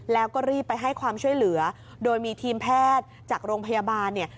แล้วก็รีบไปให้ความช่วยเหลือโดยมีทีมแพทย์จากโรงพยาบาลเนี่ย